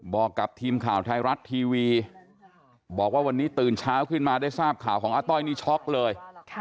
บอกกับทีมข่าวไทยรัฐทีวีบอกว่าวันนี้ตื่นเช้าขึ้นมาได้ทราบข่าวของอาต้อยนี่ช็อกเลย